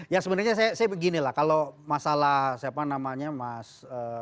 ya sebenarnya saya begini lah kalau masalah siapa namanya mas